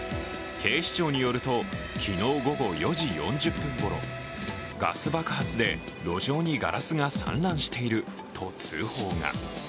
警視庁によると、昨日午後４時４０分ごろガス爆発で路上にガラスが散乱していると通報が。